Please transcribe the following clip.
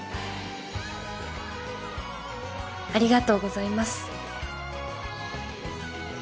ありがとうございます。